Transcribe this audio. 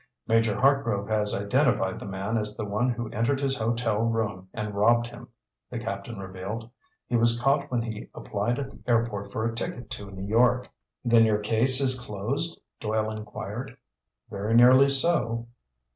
"Major Hartgrove has identified the man as the one who entered his hotel room and robbed him," the captain revealed. "He was caught when he applied at the airport for a ticket to New York." "Then your case is closed?" Doyle inquired. "Very nearly so."